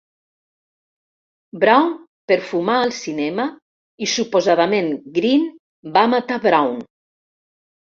Brown per fumar al cinema, i suposadament Green va matar Brown.